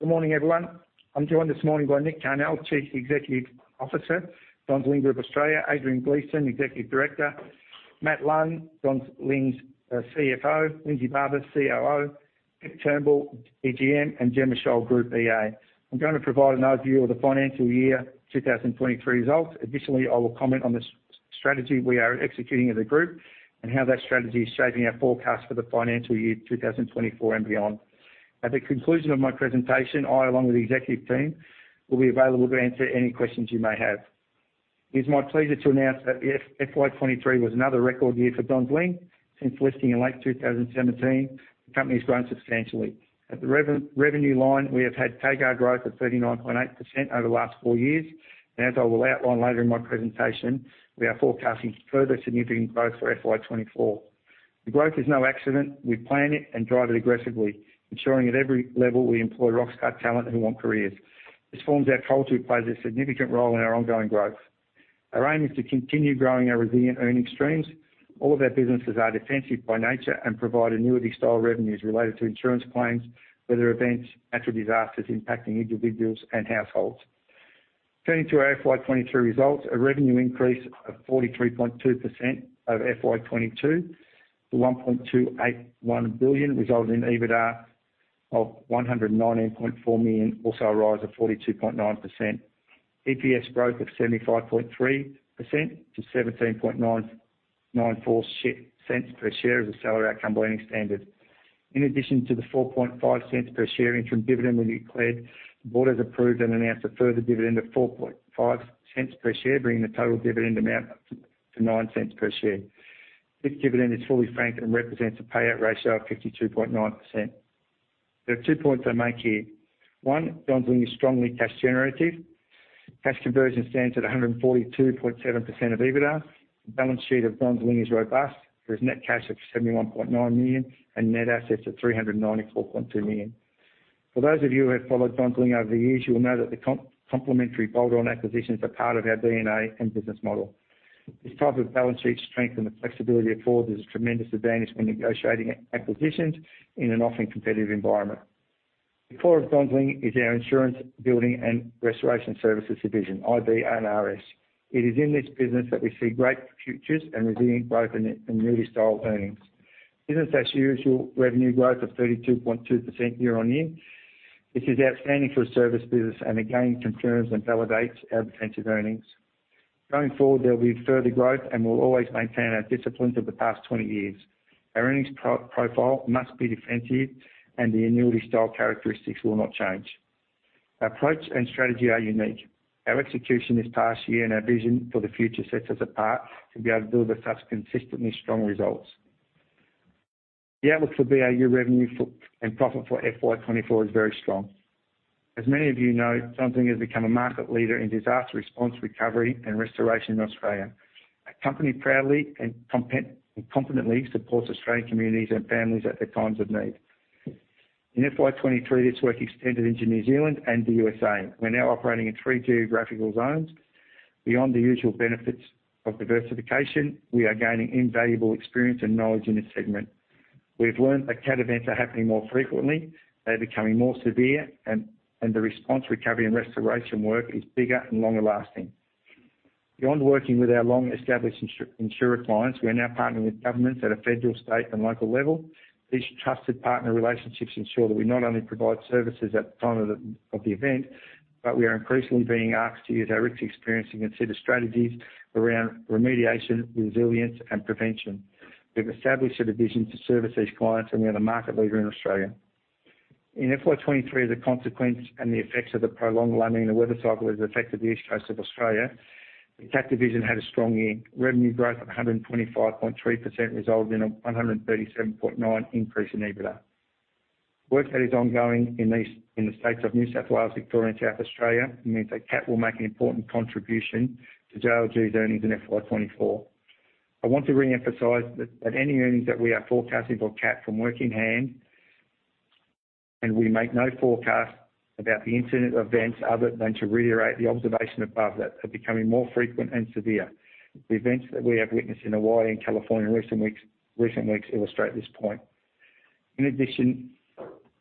Good morning, everyone. I'm joined this morning by Nick Carnell, Chief Executive Officer, Johns Lyng Group Australia, Adrian Gleeson, Executive Director, Matt Lunn, Johns Lyng's CFO, Lindsay Barber, COO, Nick Turnbull, EGM, and Jen Michelle, Group EA. I'm going to provide an overview of the financial year 2023 results. Additionally, I will comment on the strategy we are executing as a group, and how that strategy is shaping our forecast for the financial year 2024 and beyond. At the conclusion of my presentation, I, along with the executive team, will be available to answer any questions you may have. It's my pleasure to announce that the FY 2023 was another record year for Johns Lyng. Since listing in late 2017, the company has grown substantially. At the revenue line, we have had growTAGARth of 39.8% over the last 4 years, and as I will outline later in my presentation, we are forecasting further significant growth for FY 2024. The growth is no accident. We plan it and drive it aggressively, ensuring at every level we employ rockstar talent who want careers. This forms our culture, it plays a significant role in our ongoing growth. Our aim is to continue growing our resilient earning streams. All of our businesses are defensive by nature and provide annuity-style revenues related to insurance claims, weather events, natural disasters impacting individuals and households. Turning to our FY 2023 results, a revenue increase of 43.2% over FY 2022 to 1.281 billion, resulting in EBITDA of 119.4 million, also a rise of 42.9%. EPS growth of 75.3% to AUD 0.17994 as a stellar outcome by any standard. In addition to the 0.045 per share interim dividend we declared, the board has approved and announced a further dividend of 0.045 per share, bringing the total dividend amount up to 0.09 per share. This dividend is fully franked and represents a payout ratio of 52.9%. There are two points I make here. One, Johns Lyng is strongly cash generative. Cash conversion stands at 142.7% of EBITDA. The balance sheet of Johns Lyng is robust. There is net cash of 71.9 million and net assets of 394.2 million. For those of you who have followed Johns Lyng over the years, you will know that the complimentary bolt-on acquisitions are part of our DNA and business model. This type of balance sheet strength and the flexibility it affords is a tremendous advantage when negotiating acquisitions in an often competitive environment. The core of Johns Lyng is our Insurance, Building, and Restoration Services division, IB&RS. It is in this business that we see great futures and resilient growth in annuity-style earnings. Business as usual, revenue growth of 32.2% year-on-year. This is outstanding for a service business and again, confirms and validates our defensive earnings. Going forward, there will be further growth, and we'll always maintain our discipline for the past 20 years. Our earnings profile must be defensive, and the annuity style characteristics will not change. Our approach and strategy are unique. Our execution this past year and our vision for the future sets us apart to be able to deliver such consistently strong results. The outlook for BAU revenue for, and profit for FY 2024 is very strong. As many of you know, Johns Lyng has become a market leader in disaster response, recovery, and restoration in Australia. Our company proudly and competently supports Australian communities and families at their times of need. In FY 2023, this work extended into New Zealand and the U.S.A. We're now operating in three geographical zones. Beyond the usual benefits of diversification, we are gaining invaluable experience and knowledge in this segment. We've learned that cat events are happening more frequently, they're becoming more severe, and the response, recovery, and restoration work is bigger and longer lasting. Beyond working with our long-established insurer clients, we are now partnering with governments at a federal, state, and local level. These trusted partner relationships ensure that we not only provide services at the time of the event, but we are increasingly being asked to use our rich experience and consider strategies around remediation, resilience, and prevention. We've established a division to service these clients, and we are the market leader in Australia. In FY 2023, the consequence and the effects of the prolonged La Niña weather cycle has affected the east coast of Australia. The cat division had a strong year. Revenue growth of 125.3%, resulting in a 137.9% increase in EBITDA. Work that is ongoing in these in the states of New South Wales, Victoria, and South Australia, means that cat will make an important contribution to JLG's earnings in FY 2024. I want to reemphasize that, that any earnings that we are forecasting for cat from work in hand, and we make no forecast about the incident events other than to reiterate the observation above that are becoming more frequent and severe. The events that we have witnessed in Hawaii and California in recent weeks illustrate this point. In addition,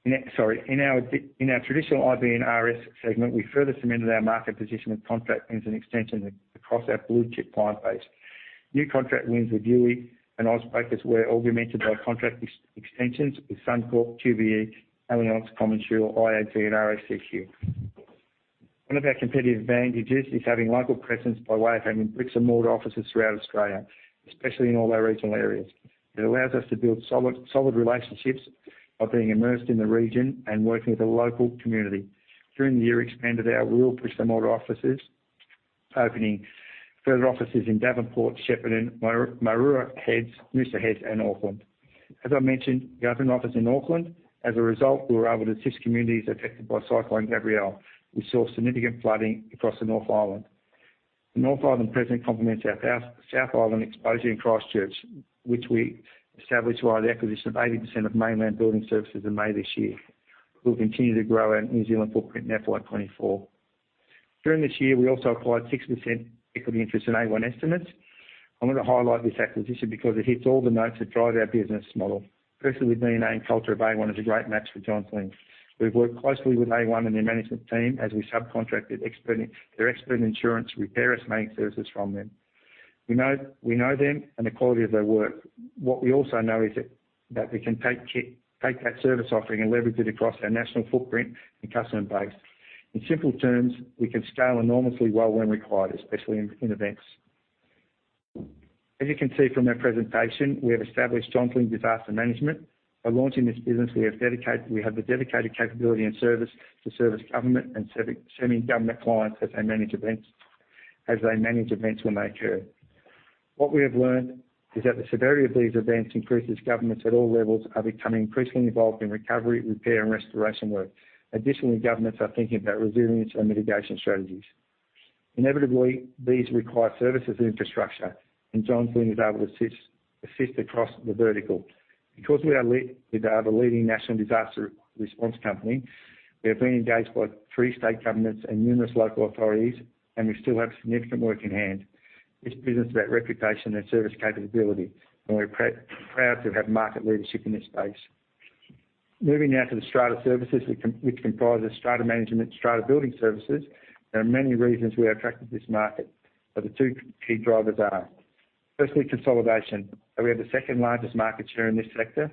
in our traditional IB&RS segment, we further cemented our market position with contract wins and extensions across our blue chip client base. New contract wins with Youi and Austbrokers, where all were augmented by contract extensions with Suncorp, QBE, Allianz, CommInsure, IAG, and RACQ. One of our competitive advantages is having local presence by way of having bricks and mortar offices throughout Australia, especially in all our regional areas. It allows us to build solid, solid relationships by being immersed in the region and working with the local community. During the year, we expanded our rural bricks and mortar offices, opening further offices in Devenport, Shepparton, Moruya, Noosa Heads, and Auckland. As I mentioned, we opened an office in Auckland. As a result, we were able to assist communities affected by Cyclone Gabrielle. We saw significant flooding across the North Island. The North Island presence complements our South Island exposure in Christchurch, which we established via the acquisition of 80% of Mainland Building Services in May this year. We'll continue to grow our New Zealand footprint in FY 2024.... During this year, we also acquired 6% equity interest in A1 Estimates. I'm going to highlight this acquisition because it hits all the notes that drive our business model, firstly with DNA and culture of A-1 is a great match for Johns Lyng. We've worked closely with A1 and their management team as we subcontracted their expert insurance repair maintenance services from them. We know, we know them and the quality of their work. What we also know is that, that we can take take that service offering and leverage it across our national footprint and customer base. In simple terms, we can scale enormously well when required, especially in events. As you can see from our presentation, we have established Johns Lyng Disaster Management. By launching this business, we have the dedicated capability and service to service government and semi-government clients as they manage events when they occur. What we have learned is that the severity of these events increases. Governments at all levels are becoming increasingly involved in recovery, repair, and restoration work. Additionally, governments are thinking about resilience and mitigation strategies. Inevitably, these require services and infrastructure, and Johns Lyng is able to assist across the vertical. Because we are the leading national disaster response company, we have been engaged by three state governments and numerous local authorities, and we still have significant work in hand. This business is about reputation and service capability, and we're proud to have market leadership in this space. Moving now to the strata services, which comprises strata management, strata building services. There are many reasons we are attracted to this market, but the two key drivers are, firstly, consolidation. We have the second-largest market share in this sector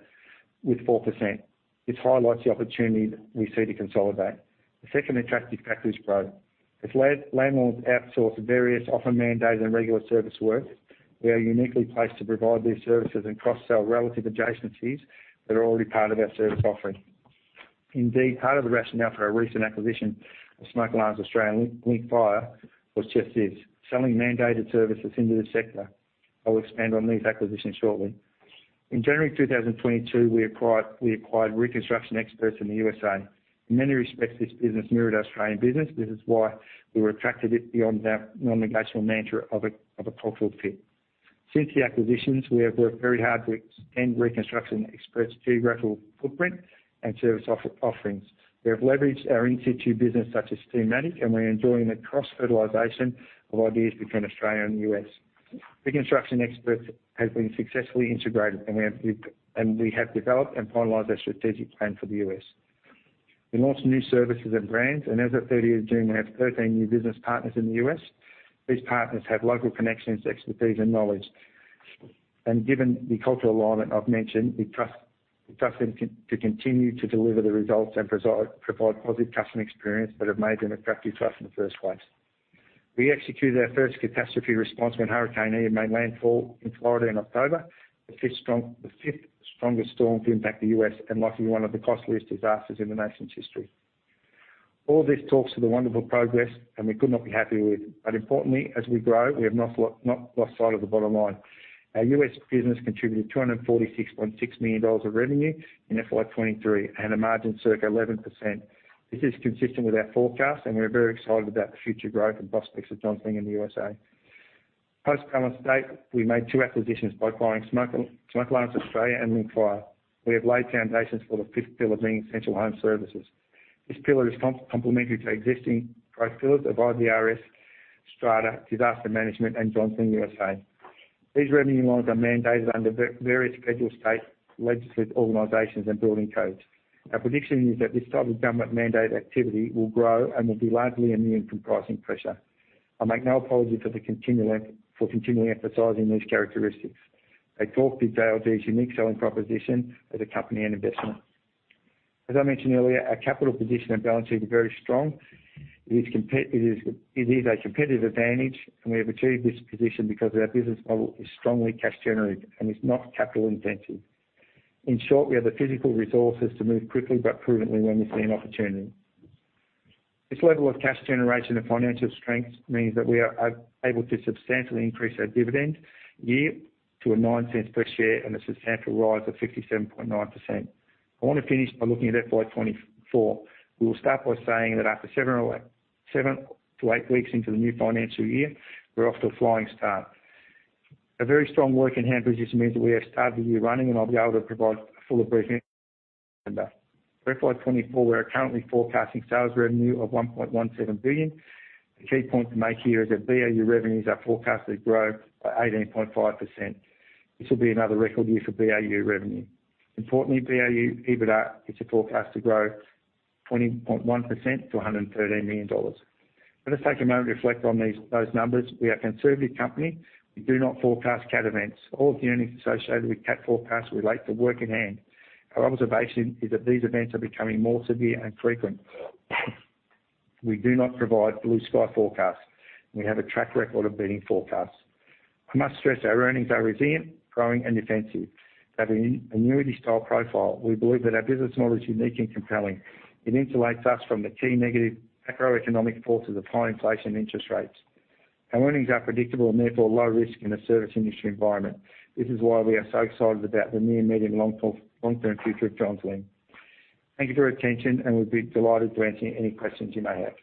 with 4%. This highlights the opportunity we see to consolidate. The second attractive factor is growth. As landlords outsource various often mandated and regular service work, we are uniquely placed to provide these services and cross-sell relative adjacencies that are already part of our service offering. Indeed, part of the rationale for our recent acquisition of Smoke Alarms Australia and Linkfire was just this, selling mandated services into the sector. I'll expand on these acquisitions shortly. In January 2022, we acquired, we acquired Reconstruction Experts in the U.S.A. In many respects, this business mirrored Australian business. This is why we were attracted to it beyond our non-negotiable mantra of a cultural fit. Since the acquisition, we have worked very hard to extend Reconstruction Experts' geographical footprint and service offerings. We have leveraged our in-house business, such as Steamatic, and we are enjoying the cross-fertilization of ideas between Australia and the U.S.. Reconstruction Experts has been successfully integrated, and we have developed and finalized our strategic plan for the U.S.. We launched new services and brands, and as of 30th of June, we have 13 new business partners in the U.S.. These partners have local connections, expertise, and knowledge. Given the cultural alignment I've mentioned, we trust them to continue to deliver the results and provide positive customer experience that have made them a trusted partner in the first place. We executed our first catastrophe response when Hurricane Ian made landfall in Florida in October, the fifth strongest storm to impact the U.S. and likely one of the costliest disasters in the nation's history. All this talks to the wonderful progress, and we could not be happier with, but importantly, as we grow, we have not lost sight of the bottom line. Our U.S. business contributed $246.6 million of revenue in FY 2023, and a margin circa 11%. This is consistent with our forecast, and we are very excited about the future growth and prospects of Johns Lyng in the U.S.A. Post current state, we made two acquisitions by buying Smoke Alarms Australia and Linkfire. We have laid foundations for the fifth pillar of being essential home services. This pillar is complementary to existing growth pillars of IBRS, Strata, Disaster Management, and Johns Lyng U.S.A. These revenue lines are mandated under various federal, state, legislative organizations, and building codes. Our prediction is that this type of government-mandated activity will grow and will be largely immune from pricing pressure. I make no apology for continually emphasizing these characteristics. They talk to JLG's unique selling proposition as a company and investment. As I mentioned earlier, our capital position and balance sheet are very strong. It is a competitive advantage, and we have achieved this position because our business model is strongly cash generative and is not capital intensive. In short, we have the physical resources to move quickly but prudently when we see an opportunity. This level of cash generation and financial strength means that we are able to substantially increase our dividend to 0.09 per share and a substantial rise of 67.9%. I want to finish by looking at FY 2024. We will start by saying that after 7-8 weeks into the new financial year, we're off to a flying start. A very strong work in hand position means that we have started the year running, and I'll be able to provide a fuller briefing... FY 2024, we are currently forecasting sales revenue of 1.17 billion. The key point to make here is that BAU revenues are forecasted to grow by 18.5%. This will be another record year for BAU revenue. Importantly, BAU EBITDA is forecasted to grow 20.1% to 113 million dollars. Let us take a moment to reflect on these, those numbers. We are a conservative company. We do not forecast cat events. All the earnings associated with cat forecasts relate to work in hand. Our observation is that these events are becoming more severe and frequent. We do not provide blue sky forecasts. We have a track record of beating forecasts. I must stress our earnings are resilient, growing, and defensive. They have an annuity-style profile. We believe that our business model is unique and compelling. It insulates us from the key negative macroeconomic forces of high inflation and interest rates. Our earnings are predictable and therefore low risk in a service industry environment. This is why we are so excited about the near, medium, and long-term future of Johns Lyng. Thank you for your attention, and we'd be delighted to answer any questions you may have.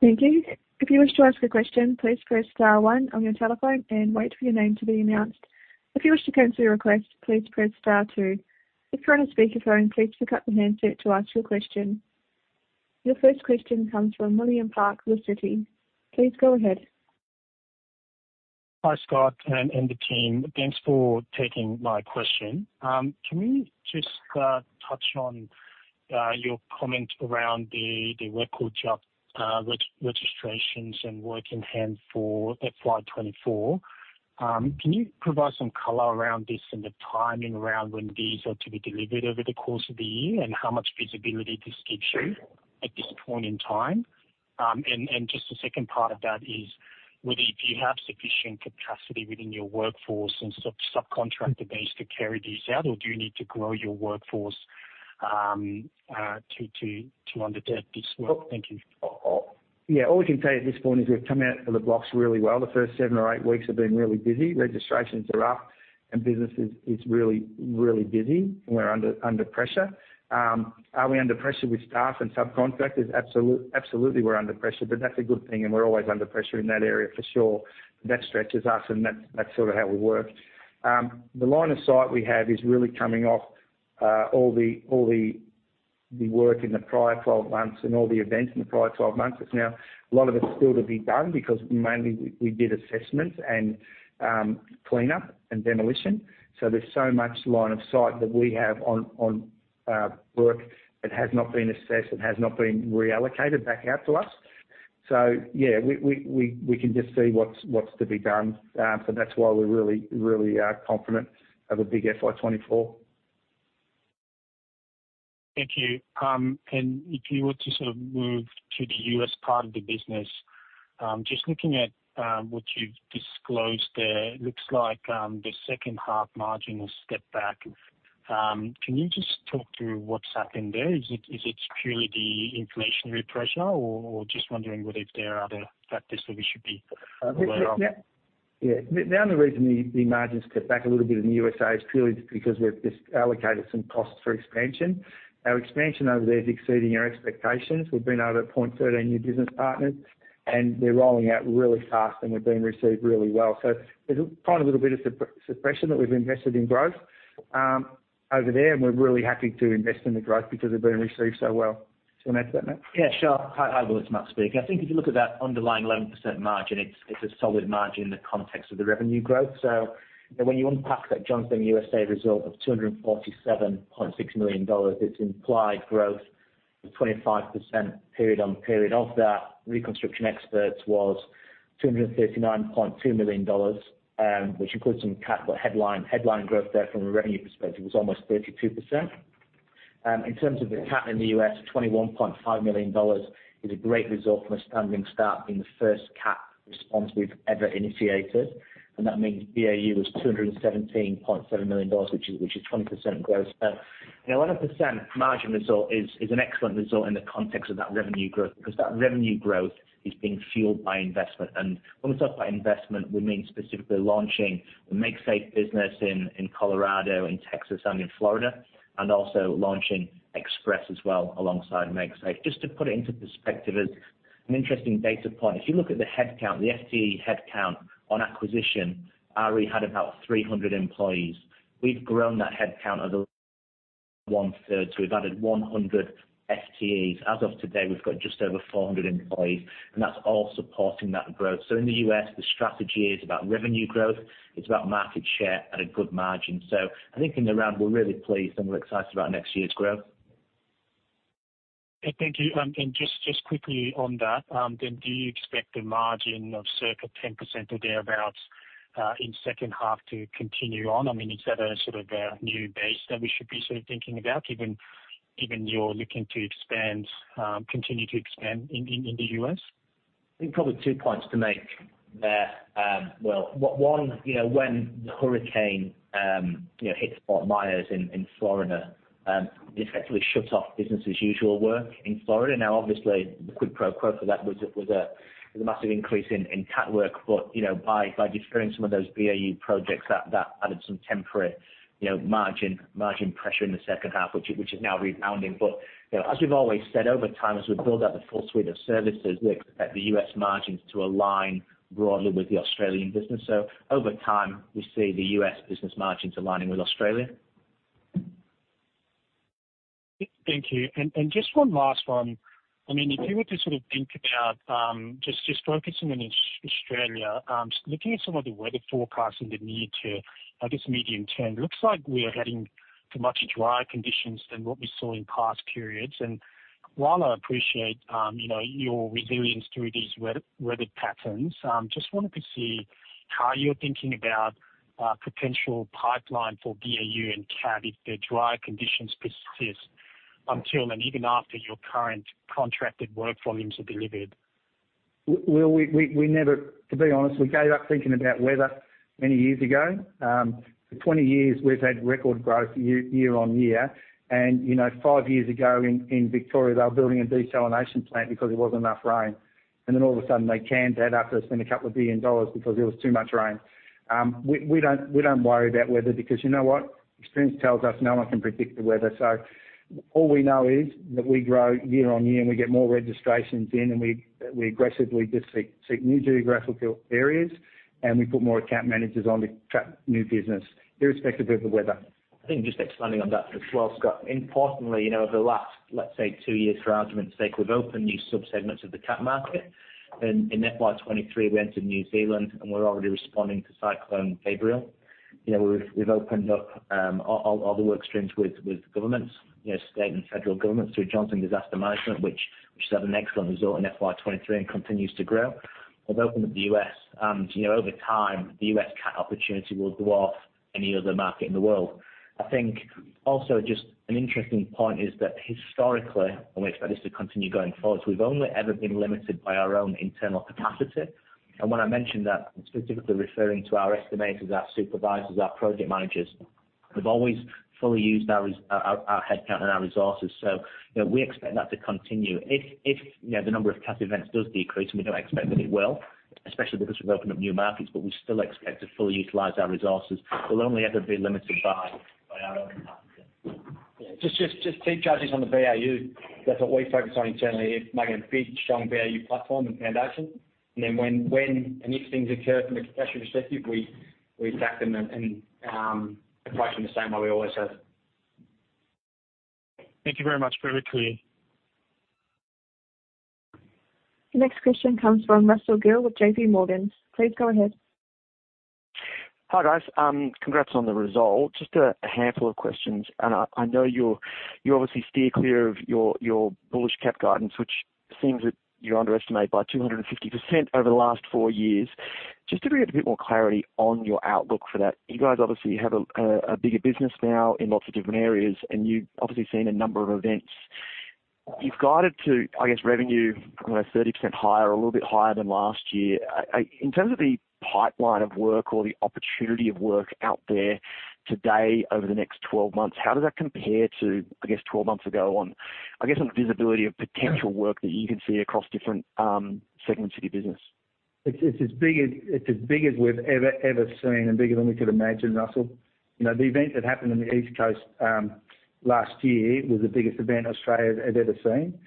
Thank you. If you wish to ask a question, please press star one on your telephone and wait for your name to be announced. If you wish to cancel your request, please press star two. If you're on a speakerphone, please pick up the handset to ask your question. Your first question comes from William Park, Citi. Please go ahead. Hi, Scott and the team. Thanks for taking my question. Can we just touch on your comment around the record job registrations and work in hand for FY24? Can you provide some color around this and the timing around when these are to be delivered over the course of the year, and how much visibility this gives you at this point in time? And just the second part of that is whether you have sufficient capacity within your workforce and subcontractor base to carry these out, or do you need to grow your workforce to undertake this work? Thank you. Yeah, all we can say at this point is we've come out of the blocks really well. The first seven or eight weeks have been really busy. Registrations are up, and business is really busy, and we're under pressure. Are we under pressure with staff and subcontractors? Absolutely, we're under pressure, but that's a good thing, and we're always under pressure in that area for sure. That stretches us, and that's sort of how we work. The line of sight we have is really coming off all the work in the prior 12 months and all the events in the prior 12 months. It's now a lot of it is still to be done because mainly we did assessments and cleanup and demolition. So there's so much line of sight that we have on work that has not been assessed and has not been reallocated back out to us. So yeah, we can just see what's to be done. So that's why we're really confident of a big FY 2024. Thank you. And if you were to sort of move to the U.S. part of the business, just looking at what you've disclosed there, it looks like the second half margin will step back. Can you just talk to what's happened there? Is it purely the inflationary pressure, or just wondering whether if there are other factors that we should be aware of? Yeah. Yeah. The only reason the margins cut back a little bit in the U.S.A is purely because we've just allocated some costs for expansion. Our expansion over there is exceeding our expectations. We've been able to appoint 13 new business partners, and they're rolling out really fast, and we're being received really well. So there's quite a little bit of suppression that we've invested in growth over there, and we're really happy to invest in the growth because we're being received so well. Do you want to add to that, Matt? Yeah, sure. Hi, well, it's Matt speaking. I think if you look at that underlying 11% margin, it's, it's a solid margin in the context of the revenue growth. So when you unpack that Johns Lyng U.S.A result of $247.6 million, it's implied growth of 25% period on period of that Reconstruction Experts was $239.2 million, which includes some cat headline. Headline growth there from a revenue perspective was almost 32%. In terms of the cat in the U.S., $21.5 million is a great result from a standing start, being the first cat response we've ever initiated. And that means BAU was $217.7 million, which is, which is 20% growth. The 11% margin result is an excellent result in the context of that revenue growth, because that revenue growth is being fueled by investment. And when we talk about investment, we mean specifically launching the Make Safe business in Colorado, in Texas, and in Florida, and also launching Express as well, alongside Make Safe. Just to put it into perspective, as an interesting data point, if you look at the headcount, the FTE headcount on acquisition, we had about 300 employees. We've grown that headcount as of one-third, so we've added 100 FTEs. As of today, we've got just over 400 employees, and that's all supporting that growth. So in the U.S., the strategy is about revenue growth. It's about market share at a good margin. So I think in the round, we're really pleased, and we're excited about next year's growth. Thank you. And just quickly on that, do you expect a margin of circa 10% or thereabout in second half to continue on? I mean, is that a sort of a new base that we should be sort of thinking about, given you're looking to expand, continue to expand in the U.S.? I think probably two points to make there. Well, one, you know, when the hurricane, you know, hit Fort Myers in Florida, it effectively shut off business as usual work in Florida. Now, obviously, the quid pro quo for that was a massive increase in cat work, but, you know, by deferring some of those BAU projects, that added some temporary, you know, margin pressure in the second half, which is now rebounding. But, you know, as we've always said, over time, as we build out the full suite of services, we expect the U.S. margins to align broadly with the Australian business. So over time, we see the U.S. business margins aligning with Australia. Thank you. And, and just one last one. I mean, if you were to sort of think about, just, just focusing on Australia, looking at some of the weather forecasts in the near term, I guess medium term, it looks like we're heading to much drier conditions than what we saw in past periods. And while I appreciate, you know, your resilience through these weather patterns, just wanted to see how you're thinking about, potential pipeline for BAU and cat if the drier conditions persist until and even after your current contracted work volumes are delivered. Well, we never. To be honest, we gave up thinking about weather many years ago. For 20 years we've had record growth year on year, and, you know, 5 years ago in Victoria, they were building a desalination plant because there wasn't enough rain. And then all of a sudden, they canned that after they spent 2 billion dollars because there was too much rain. We don't worry about weather, because you know what? Experience tells us no one can predict the weather. So all we know is that we grow year on year, and we get more registrations in, and we aggressively just seek new geographical areas, and we put more account managers on to attract new business, irrespective of the weather. I think just expanding on that as well, Scott, importantly, you know, over the last, let's say, two years for argument's sake, we've opened new subsegments of the cat market. And in FY 2023, we entered New Zealand, and we're already responding to Cyclone Gabrielle. You know, we've, we've opened up, other work streams with, with governments, you know, state and federal governments through Johns Lyng Disaster Management, which, which has had an excellent result in FY 2023 and continues to grow. We've opened up the U.S., and, you know, over time, the U.S. cat opportunity will dwarf any other market in the world. I think also just an interesting point is that historically, and we expect this to continue going forward, we've only ever been limited by our own internal capacity. And when I mention that, I'm specifically referring to our estimators, our supervisors, our project managers. We've always fully used our headcount and our resources, so, you know, we expect that to continue. If, you know, the number of cat events does decrease, and we don't expect that it will, especially because we've opened up new markets, but we still expect to fully utilize our resources. We'll only ever be limited by our own capacity. Yeah. Just keep focus on the BAU. That's what we focus on internally, is making a big, strong BAU platform and foundation. And then when and if things occur from a catastrophe perspective, we attack them and approach them the same way we always have. Thank you very much. Very clear. The next question comes from Russell Gill with J.P. Morgan. Please go ahead. Hi, guys. Congrats on the result. Just a handful of questions. And I know you're you obviously steer clear of your bullish cap guidance, which seems that you underestimate by 250% over the last 4 years. Just to bring a bit more clarity on your outlook for that, you guys obviously have a bigger business now in lots of different areas, and you've obviously seen a number of events. You've guided to, I guess, revenue 30% higher or a little bit higher than last year. In terms of the pipeline of work or the opportunity of work out there today over the next 12 months, how does that compare to, I guess, 12 months ago on, I guess, on the visibility of potential work that you can see across different segments of your business? It's as big as... It's as big as we've ever, ever seen and bigger than we could imagine, Russell. You know, the event that happened on the East Coast last year was the biggest event Australia has ever seen.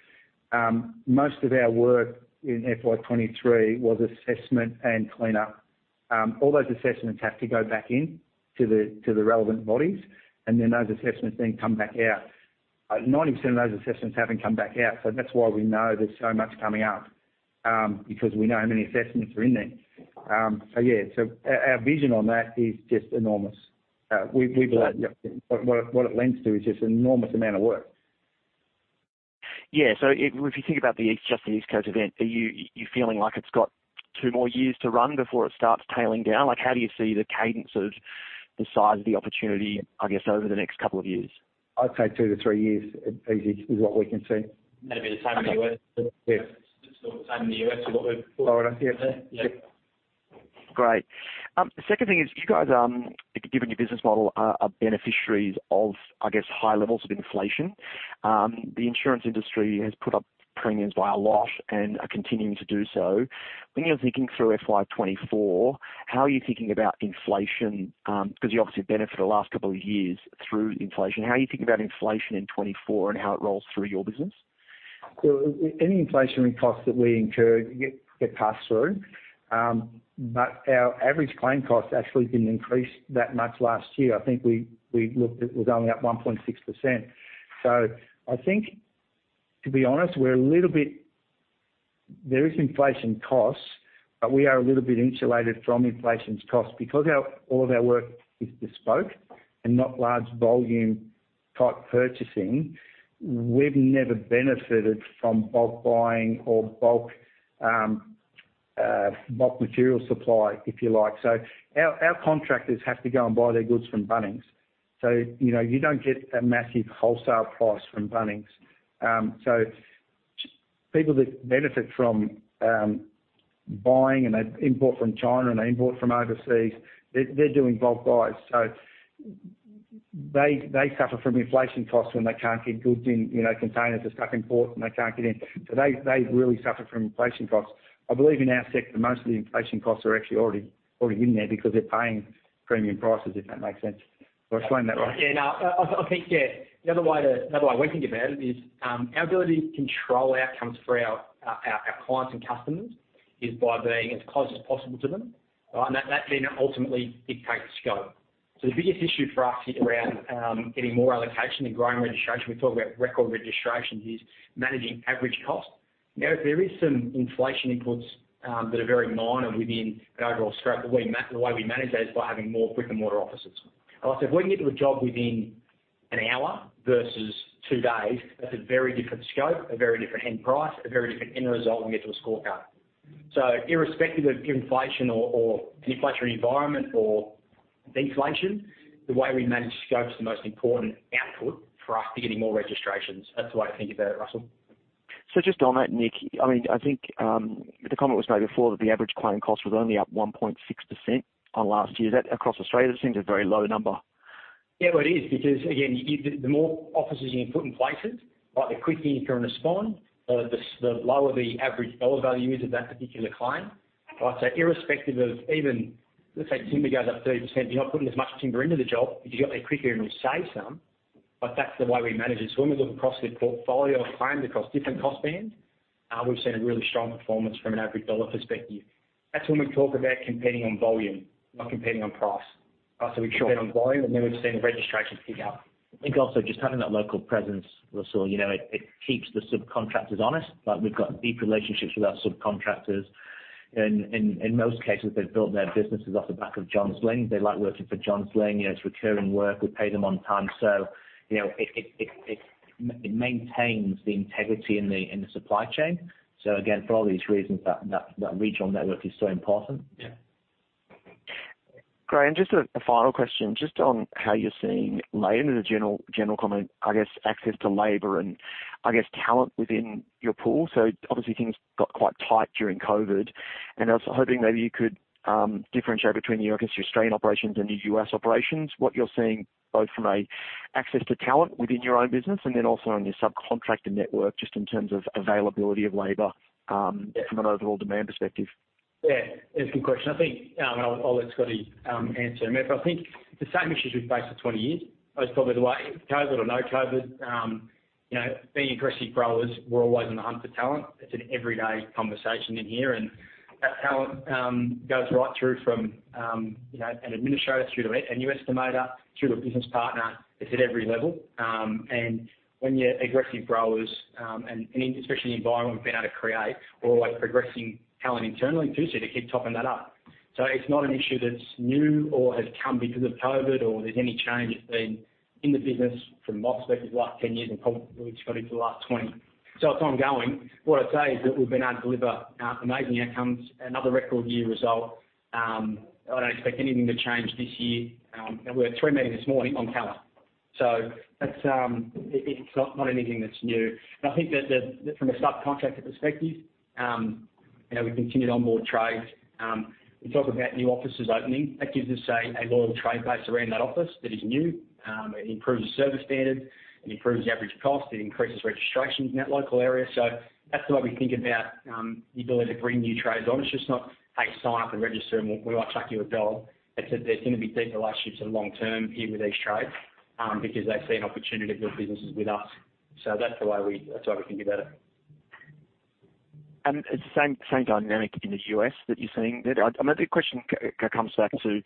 Most of our work in FY 2023 was assessment and cleanup. All those assessments have to go back in to the, to the relevant bodies, and then those assessments then come back out. 90% of those assessments haven't come back out, so that's why we know there's so much coming up, because we know how many assessments are in there. So yeah, so our vision on that is just enormous. We, we- Great. What, what it lends to is just an enormous amount of work. Yeah. So if you think about the East, just the East Coast event, are you feeling like it's got two more years to run before it starts tailing down? Like, how do you see the cadence of the size of the opportunity, I guess, over the next couple of years? I'd say 2-3 years at least is what we can see. That'd be the same in the U.S. Yeah. Same in the U.S., what we- Yeah. Great. The second thing is, you guys, given your business model, are, are beneficiaries of, I guess, high levels of inflation. The insurance industry has put up premiums by a lot and are continuing to do so. When you're thinking through FY 2024, how are you thinking about inflation? Because you obviously benefit the last couple of years through inflation. How are you thinking about inflation in 2024 and how it rolls through your business? Well, any inflationary costs that we incur get passed through. But our average claim cost actually didn't increase that much last year. I think we looked, it was only up 1.6%. So I think, to be honest, we're a little bit... There is inflation costs, but we are a little bit insulated from inflation's cost. Because our all of our work is bespoke and not large volume type purchasing, we've never benefited from bulk buying or bulk bulk material supply, if you like. So our contractors have to go and buy their goods from Bunnings. So you know, you don't get a massive wholesale price from Bunnings. So people that benefit from buying and they import from China, and they import from overseas, they're doing bulk buys. So they suffer from inflation costs when they can't get goods in, you know, containers are stuck in port, and they can't get in. So they really suffer from inflation costs. I believe in our sector, most of the inflation costs are actually already in there because they're paying premium prices, if that makes sense. Did I explain that right? Yeah, no, I think, yeah. Another way we think about it is our ability to control outcomes for our clients and customers is by being as close as possible to them. And that then ultimately dictates scope. So the biggest issue for us around getting more allocation and growing registration, we talk about record registration, is managing average cost. Now, there is some inflation inputs that are very minor within the overall scope, but the way we manage that is by having more brick-and-mortar offices. And I said, if we can get to a job within an hour versus two days, that's a very different scope, a very different end price, a very different end result we get to a scorecard. So irrespective of inflation or an inflationary environment or deflation, the way we manage scope is the most important output for us to getting more registrations. That's the way to think about it, Russell. Just on that, Nick, I mean, I think, the comment was made before that the average claim cost was only up 1.6% on last year. That, across Australia, that seems a very low number. Yeah, well, it is because, again, the more offices you can put in places, like, the quicker you can respond, the lower the average dollar value is of that particular claim.... So irrespective of even, let's say, timber goes up 30%, you're not putting as much timber into the job, but you got there quicker and we save some, but that's the way we manage it. So when we look across the portfolio of claims, across different cost bands, we've seen a really strong performance from an average dollar perspective. That's when we talk about competing on volume, not competing on price. So we compete on volume, and then we've seen the registrations pick up. I think also just having that local presence, Russell, you know, it keeps the subcontractors honest. Like, we've got deep relationships with our subcontractors, and in most cases, they've built their businesses off the back of Johns Lyng. They like working for Johns Lyng. You know, it's recurring work. We pay them on time, so you know, it maintains the integrity in the supply chain. So again, for all these reasons, that regional network is so important. Yeah. Great, and just a final question, just on how you're seeing labor as a general comment, I guess access to labor and I guess talent within your pool. So obviously things got quite tight during COVID, and I was hoping maybe you could differentiate between your, I guess, your Australian operations and your U.S. operations, what you're seeing both from a access to talent within your own business and then also on your subcontractor network, just in terms of availability of labor, from an overall demand perspective. Yeah, it's a good question. I think I'll let Scotty answer them. I think the same issues we've faced for 20 years is probably the way, COVID or no COVID, you know, being aggressive growers, we're always on the hunt for talent. It's an everyday conversation in here, and that talent goes right through from you know, an administrator through to an estimator, through to a business partner. It's at every level, and when you're aggressive growers, and especially in the environment we've been able to create, we're always progressing talent internally too, so to keep topping that up. So it's not an issue that's new or has come because of COVID or there's any change. It's been in the business from my perspective, the last 10 years, and probably Scotty, for the last 20. So it's ongoing. What I'd say is that we've been able to deliver amazing outcomes, another record year result. I don't expect anything to change this year. And we had a team meeting this morning on talent. So that's, it's not anything that's new. And I think that the, from a subcontractor perspective, you know, we've continued on more trades. We talk about new offices opening. That gives us a loyal trade base around that office that is new. It improves the service standard, it improves the average cost, it increases registrations in that local area. So that's the way we think about the ability to bring new trades on. It's just not, "Hey, sign up and register, and we might chuck you a dollar." It's that there's going to be deep relationships and long term here with these trades, because they see an opportunity to build businesses with us. So that's the way that's the way we think about it. It's the same, same dynamic in the U.S. that you're seeing there? I, maybe the question comes back to,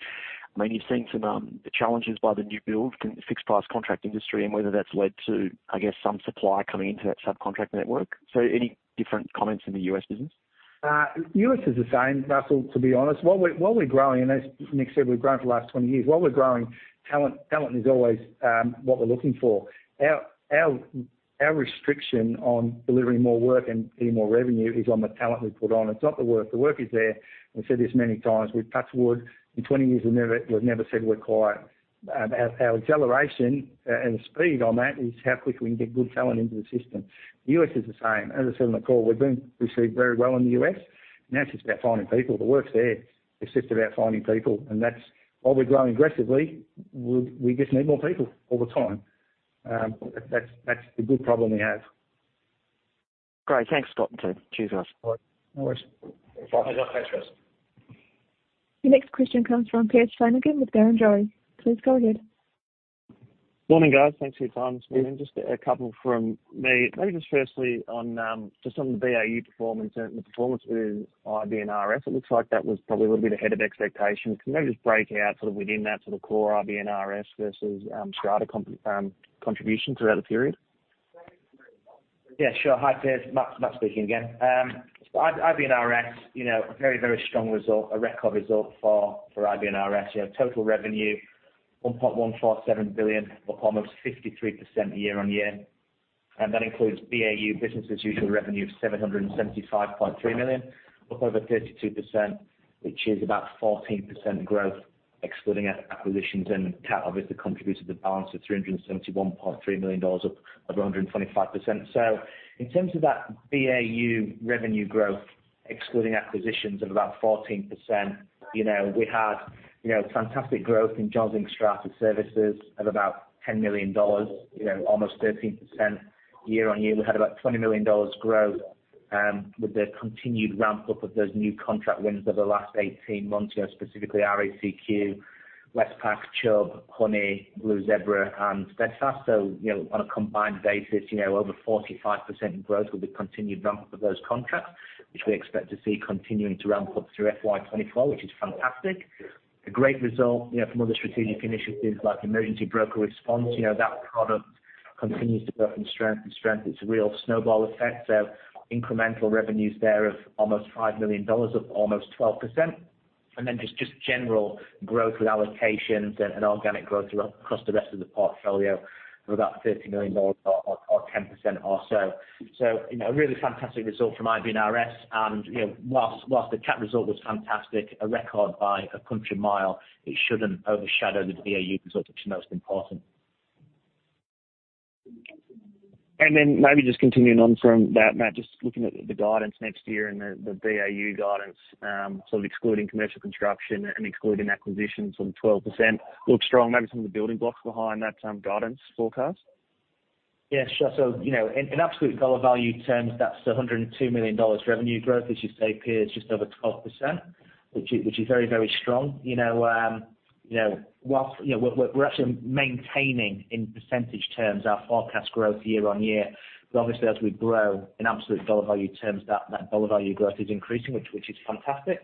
I mean, you've seen some challenges by the new build in the fixed price contract industry and whether that's led to, I guess, some supply coming into that subcontract network. So any different comments in the U.S. business? U.S. is the same, Russell, to be honest. While we're growing, and as Nick said, we've grown for the last 20 years. While we're growing, talent is always what we're looking for. Our restriction on delivering more work and getting more revenue is on the talent we put on. It's not the work. The work is there. We've said this many times, with touch wood, in 20 years, we've never said we're quiet. Our acceleration and speed on that is how quick we can get good talent into the system. The U.S. is the same. As I said on the call, we've been received very well in the U.S., now it's just about finding people. The work's there, it's just about finding people, and that's... While we're growing aggressively, we just need more people all the time. That's the good problem we have. Great. Thanks, Scott and team. Cheers, guys. All right. No worries. Bye. Thanks, Russ. The next question comes from Piers Flanagan with Barrenjoey. Please go ahead. Morning, guys. Thanks for your time this morning. Just a couple from me. Maybe just firstly on, just on the BAU performance and the performance with IB&RS, it looks like that was probably a little bit ahead of expectations. Can you maybe just break out sort of within that sort of core IB&RS versus, strata comp, contribution throughout the period? Yeah, sure. Hi, Piers, Matt, Matt speaking again. IB&RS, you know, a very, very strong result, a record result for, for IB&RS. You know, total revenue, 1.147 billion, up almost 53% year-on-year. That includes BAU, business as usual, revenue of 775.3 million, up over 32%, which is about 14% growth, excluding acquisitions and cat obviously contributed the balance of 371.3 million dollars up over 125%. So in terms of that BAU revenue growth, excluding acquisitions of about 14%, you know, we had, you know, fantastic growth in Johns Lyng strata services of about 10 million dollars, you know, almost 13% year-on-year. We had about 20 million dollars growth with the continued ramp up of those new contract wins over the last 18 months. You know, specifically RACQ, Westpac, Chubb, Honey, Blue Zebra, and Steadfast. So, you know, on a combined basis, you know, over 45% growth with the continued ramp up of those contracts, which we expect to see continuing to ramp up through FY 2024, which is fantastic. A great result, you know, from other strategic initiatives like Emergency Broker Response. You know, that product continues to go from strength to strength. It's a real snowball effect, so incremental revenues there of almost 5 million dollars, up almost 12%. And then just, just general growth with allocations and, and organic growth across the rest of the portfolio of about 30 million dollars or, or 10% or so. So, you know, a really fantastic result from IB&RS. And, you know, while, while the CAT result was fantastic, a record by a country mile, it shouldn't overshadow the BAU results, which are most important. And then maybe just continuing on from that, Matt, just looking at the guidance next year and the BAU guidance, sort of excluding commercial construction and excluding acquisitions of 12%, looks strong. Maybe some of the building blocks behind that guidance forecast? Yes, sure. So, you know, in absolute dollar value terms, that's 102 million dollars revenue growth, as you say, Piers, just over 12%, which is very, very strong. You know, while, you know, we're actually maintaining in percentage terms our forecast growth year-on-year. But obviously, as we grow in absolute dollar value terms, that dollar value growth is increasing, which is fantastic.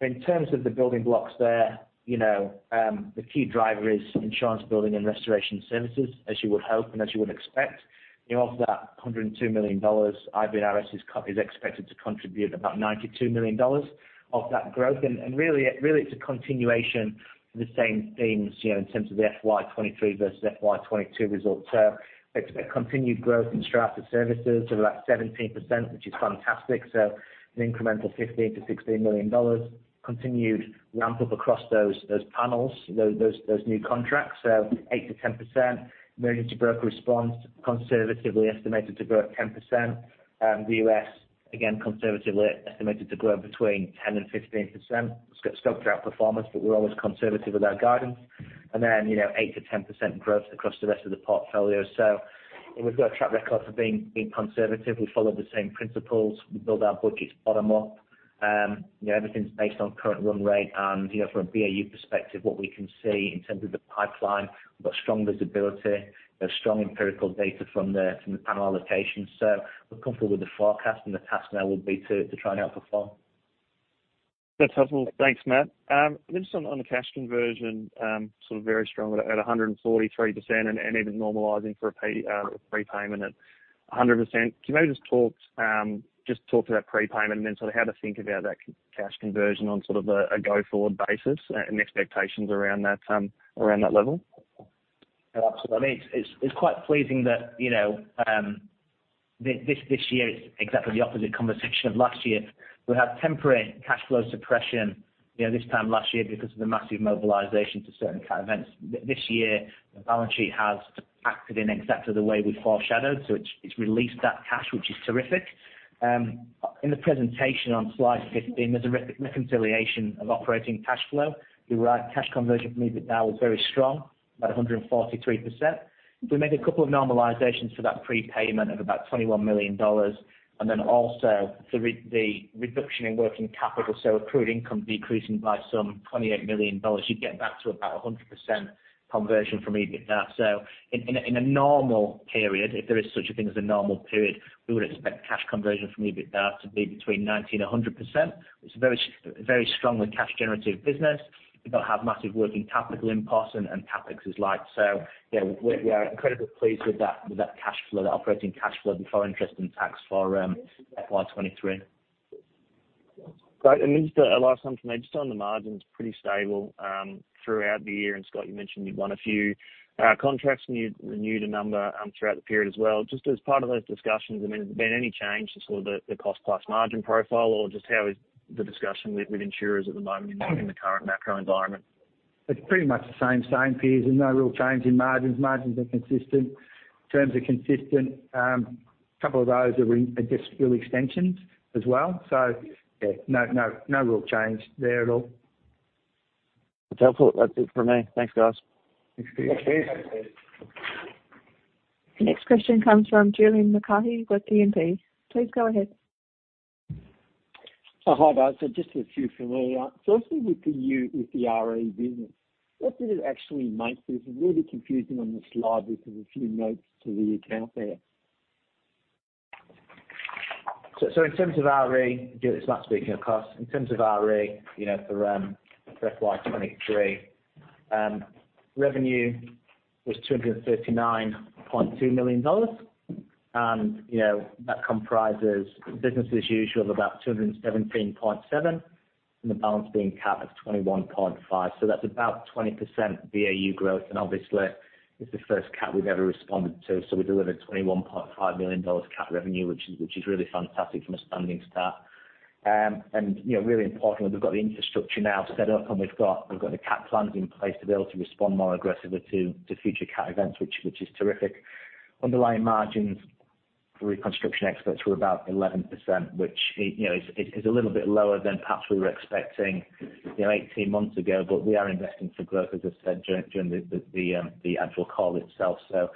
But in terms of the building blocks there, you know, the key driver is insurance building and restoration services, as you would hope and as you would expect. You know, of that 102 million dollars, IBRS is expected to contribute about 92 million dollars of that growth. And really it's a continuation of the same themes, you know, in terms of the FY 2023 versus FY 2022 results. So it's a continued growth in strata services of about 17%, which is fantastic. So an incremental 15 million-16 million dollars continued ramp up across those new contracts. So 8%-10%, emergency broker response, conservatively estimated to grow at 10%. The U.S., again, conservatively estimated to grow between 10% and 15%. Strong outperformance, but we're always conservative with our guidance. And then, you know, 8%-10% growth across the rest of the portfolio. So we've got a track record for being conservative. We follow the same principles. We build our budgets bottom up. You know, everything's based on current run rate. And, you know, from a BAU perspective, what we can see in terms of the pipeline, we've got strong visibility, a strong empirical data from the panel allocations. So we're comfortable with the forecast, and the task now will be to try and outperform. That's helpful. Thanks, Matt. Just on the cash conversion, sort of very strong at 143%, and even normalizing for a pay prepayment at 100%. Can you maybe just talk to that prepayment and then sort of how to think about that cash conversion on sort of a go-forward basis, and expectations around that level? Yeah, absolutely. It's quite pleasing that, you know, this year is exactly the opposite conversation of last year. We had temporary cash flow suppression, you know, this time last year because of the massive mobilization to certain cat events. This year, the balance sheet has acted in exactly the way we foreshadowed, so it's released that cash, which is terrific. In the presentation on slide 15, there's a reconciliation of operating cash flow. You're right, cash conversion for me, but now is very strong, about 143%. We made a couple of normalizations for that prepayment of about 21 million dollars, and then also the reduction in working capital, so accrued income decreasing by some 28 million dollars. You'd get back to about 100% conversion from EBITDA. So in a normal period, if there is such a thing as a normal period, we would expect cash conversion from EBITDA to be between 90%-100%. It's a very strongly cash generative business. We don't have massive working capital imports and CapEx is light. So, yeah, we are incredibly pleased with that, with that cash flow, that operating cash flow before interest and tax for FY 2023. Great, and just a last one for me, just on the margins, pretty stable throughout the year. And Scott, you mentioned you've won a few contracts, and you renewed a number throughout the period as well. Just as part of those discussions, I mean, has there been any change to sort of the, the cost plus margin profile, or just how is the discussion with, with insurers at the moment in the, in the current macro environment? It's pretty much the same, same, Piers. There's no real change in margins. Margins are consistent, terms are consistent. A couple of those are just real extensions as well. So yeah, no, no, no real change there at all. That's helpful. That's it for me. Thanks, guys. Thanks, Piers. Thanks, Piers. The next question comes from Julian McCarthy with E&P. Please go ahead. Oh, hi, guys. So just a few familiar. Firstly, with the new, with the RE business, what did it actually make? This is really confusing on the slide because of a few notes to the account there. So in terms of RE, Julian, it's Matt speaking, of course. In terms of RE, you know, for FY 2023, revenue was $239.2 million. And, you know, that comprises business as usual of about $217.7 million, and the balance being cat of $21.5 million. So that's about 20% BAU growth, and obviously, it's the first cat we've ever responded to. So we delivered $21.5 million cat revenue, which is, which is really fantastic from a standing start. And, you know, really importantly, we've got the infrastructure now set up, and we've got, we've got the cat plans in place to be able to respond more aggressively to, to future cat events, which, which is terrific. Underlying margins for Reconstruction Experts were about 11%, which, you know, is a little bit lower than perhaps we were expecting, you know, 18 months ago. But we are investing for growth, as I said, during the actual call itself. So,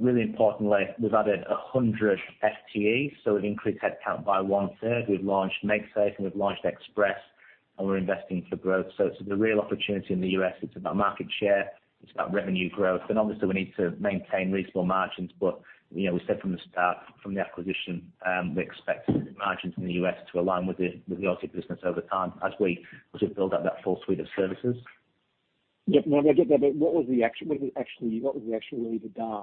really importantly, we've added 100 FTEs, so we've increased headcount by one-third. We've launched Make Safe, and we've launched Express, and we're investing for growth. So it's a real opportunity in the U.S. It's about market share, it's about revenue growth, and obviously, we need to maintain reasonable margins. But, you know, we said from the start, from the acquisition, we expect margins in the U.S. to align with the RT business over time as we build out that full suite of services. Yeah, no, I get that, but what was the actual revenue DA?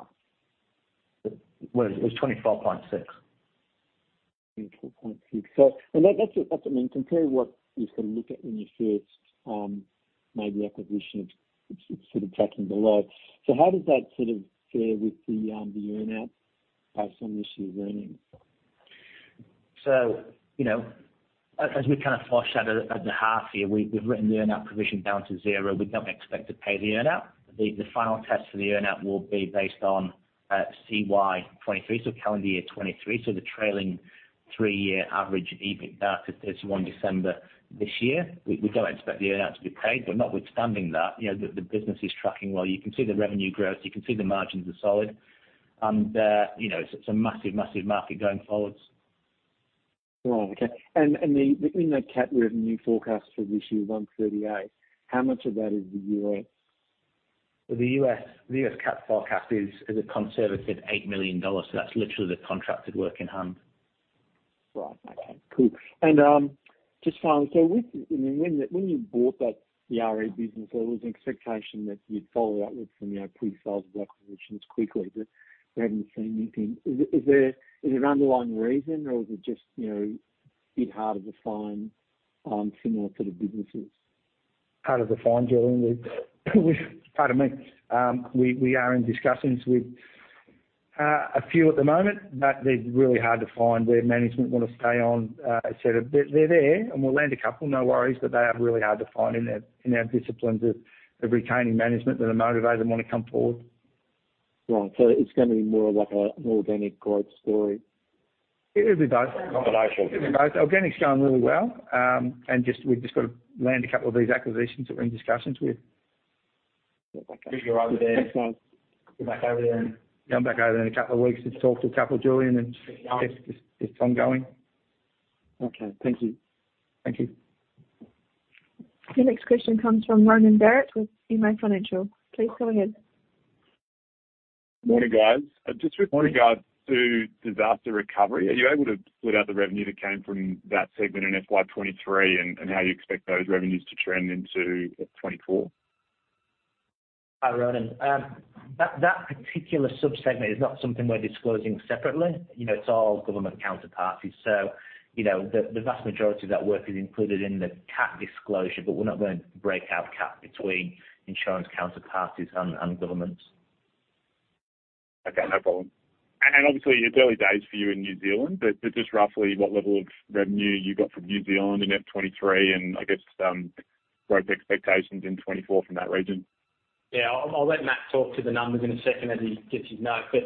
Well, it was 24.6. 24.6. So, and that's, I mean, compared to what you sort of look at when you first made the acquisition, it's sort of tracking below. So how does that sort of fare with the earn-out by some issue of earning? So, you know, as we kind of foreshadowed at the half year, we've written the earn-out provision down to 0. We don't expect to pay the earn-out. The final test for the earn-out will be based on CY 2023, so calendar year 2023, so the trailing three-year average EBITDA as at 31 December this year. We don't expect the earn-out to be paid, but notwithstanding that, you know, the business is tracking well. You can see the revenue growth, you can see the margins are solid, and, you know, it's a massive, massive market going forwards.... Right, okay. And the CAT revenue forecast for this year, 138, how much of that is the U.S.? The U.S., the U.S. CAT forecast is a conservative $8 million. So that's literally the contracted work in hand. Right. Okay, cool. And just finally, so with—I mean, when, when you bought that RE business, there was an expectation that you'd follow up with some, you know, pre-sales acquisitions quickly, but we haven't seen anything. Is, is there, is there an underlying reason or is it just, you know, a bit harder to find similar sort of businesses? Harder to find, Julian, pardon me. We are in discussions with a few at the moment, but they're really hard to find, where management want to stay on, et cetera. They're there, and we'll land a couple, no worries, but they are really hard to find in our disciplines of retaining management that are motivated and want to come forward. Right. So it's going to be more of like a, an organic growth story? It'll be both. 组合。It'll be both. Organic's going really well, and just... We've just got to land a couple of these acquisitions that we're in discussions with. Okay. We go over there- Thanks, guys. Go back over there, and I'm back over there in a couple of weeks to talk to a couple, Julian, and it's, it's ongoing. Okay. Thank you. Thank you. Your next question comes from Ronan Barrett with MA Financial. Please go ahead. Morning, guys. Just with regard to disaster recovery, are you able to split out the revenue that came from that segment in FY 2023 and how you expect those revenues to trend into 2024? Hi, Ronan. That particular subsegment is not something we're disclosing separately. You know, it's all government counterparties. So, you know, the vast majority of that work is included in the cat disclosure, but we're not going to break out cat between insurance counterparties and governments. Okay, no problem. And obviously, it's early days for you in New Zealand, but just roughly what level of revenue you got from New Zealand in FY 2023 and I guess, growth expectations in 2024 from that region? Yeah, I'll let Matt talk to the numbers in a second as he gets his notes. But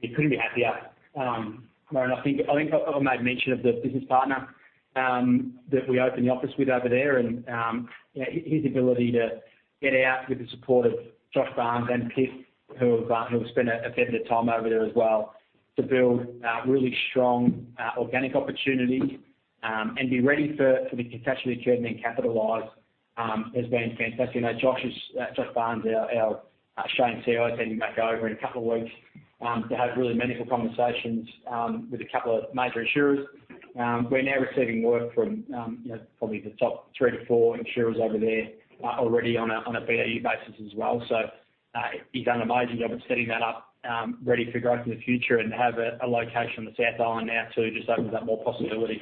he couldn't be happier. And I think I made mention of the business partner that we opened the office with over there, and you know, his ability to get out with the support of Josh Barnes and Chris, who has spent a fair bit of time over there as well, to build a really strong organic opportunity, and be ready for the potentially turning capitalize, has been fantastic. You know, Josh Barnes, our Australian CEO, is heading back over in a couple of weeks to have really meaningful conversations with a couple of major insurers. We're now receiving work from, you know, probably the top 3-4 insurers over there, already on a BAU basis as well. So, he's done an amazing job of setting that up, ready for growth in the future and have a location on the South Island now, too, just opens up more possibility.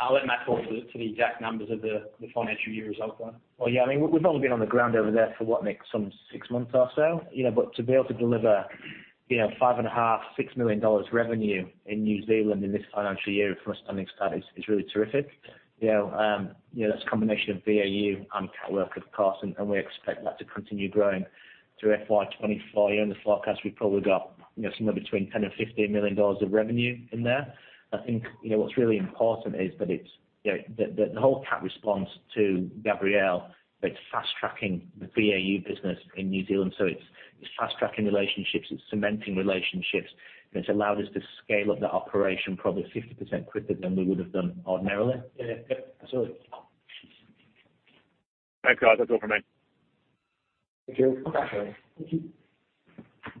I'll let Matt talk to the exact numbers of the financial year results. Well, yeah, I mean, we've only been on the ground over there for, what, Nick, some 6 months or so? You know, but to be able to deliver, you know, 5.5-6 million dollars revenue in New Zealand in this financial year from a standing start is, is really terrific. You know, that's a combination of BAU and cat work, of course, and, and we expect that to continue growing through FY 2024. In the forecast, we've probably got, you know, somewhere between 10-15 million dollars of revenue in there. I think, you know, what's really important is that it's, you know, the whole cat response to Gabrielle, it's fast-tracking the BAU business in New Zealand, so it's fast-tracking relationships, it's cementing relationships, and it's allowed us to scale up that operation probably 50% quicker than we would have done ordinarily. Yeah, absolutely. Thanks, guys. That's all for me. Thank you.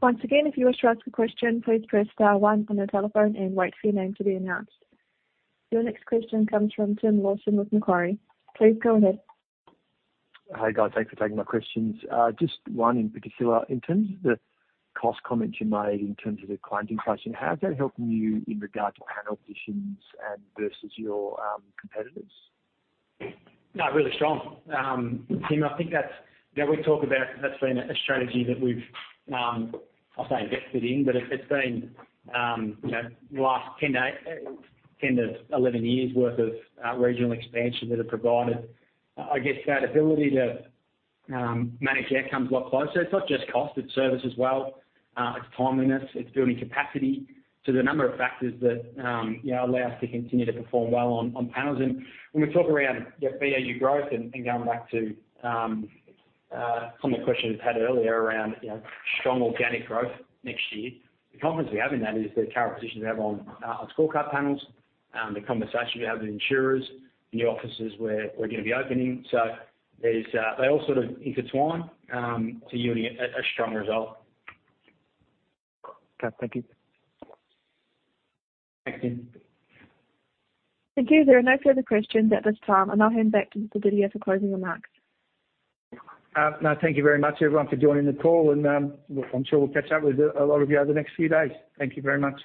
Once again, if you wish to ask a question, please press star one on your telephone and wait for your name to be announced. Your next question comes from Tim Wilson with Macquarie. Please go ahead. Hi, guys. Thanks for taking my questions. Just one in particular. In terms of the cost comments you made in terms of the claims inflation, how is that helping you in regard to panel positions and versus your, competitors? No, really strong. Tim, I think that's, you know, we talk about that's been a strategy that we've, I'll say invested in, but it's, it's been, you know, last 10-11 years worth of, regional expansion that have provided, I guess, that ability to, manage our outcomes a lot closer. It's not just cost, it's service as well, it's timeliness, it's building capacity. So there are a number of factors that, you know, allow us to continue to perform well on, on panels. And when we talk around, yeah, BAU growth and going back to some of the questions we had earlier around, you know, strong organic growth next year, the confidence we have in that is the current position we have on scorecard panels, the conversation we have with insurers, new offices where we're going to be opening. So there's... They all sort of intertwine to yielding a strong result. Okay, thank you. Thanks, Tim. Thank you. There are no further questions at this time, and I'll hand back to Didier for closing remarks. No, thank you very much, everyone, for joining the call and, look, I'm sure we'll catch up with a lot of you over the next few days. Thank you very much.